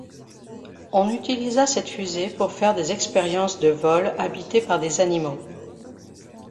On utilisa cette fusée pour faire des expériences de vols habités par des animaux.